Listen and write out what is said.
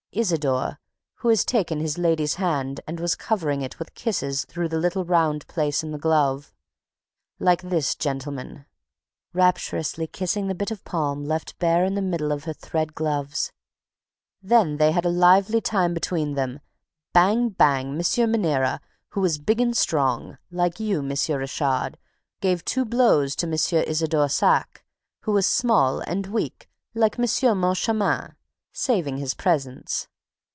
Isidore, who had taken his lady's hand and was covering it with kisses through the little round place in the glove like this, gentlemen" rapturously kissing the bit of palm left bare in the middle of her thread gloves. "Then they had a lively time between them! Bang! Bang! M. Maniera, who was big and strong, like you, M. Richard, gave two blows to M. Isidore Saack, who was small and weak like M. Moncharmin, saving his presence.